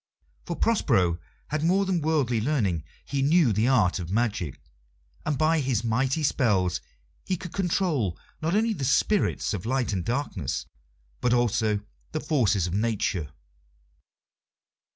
For Prospero had more than worldly learning; he knew the art of magic, and by his mighty spells he could control not only the spirits of light and darkness, but also the forces of Nature.